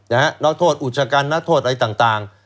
นักโทษอุชกันนักโทษอะไรต่าง